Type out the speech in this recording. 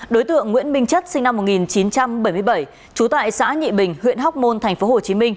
đối tượng nguyễn minh chất sinh năm một nghìn chín trăm bảy mươi bảy trú tại xã nhị bình huyện hóc môn tp hcm